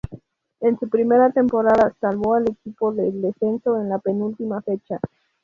En su primera temporada salvó al equipo del descenso en la penúltima fecha.